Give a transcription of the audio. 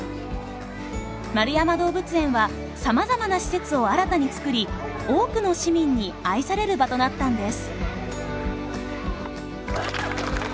円山動物園はさまざまな施設を新たに作り多くの市民に愛される場となったんです。